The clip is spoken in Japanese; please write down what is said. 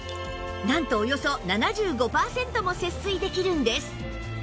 なんとおよそ７５パーセントも節水できるんです